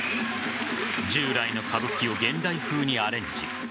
従来の歌舞伎を現代風にアレンジ。